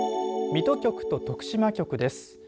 水戸局と徳島局です。